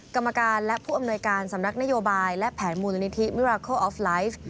กรรมการและผู้อำนวยการสำนักนโยบายและแผนมูลนิธิมิราโคลออฟไลฟ์